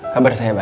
kabar saya baik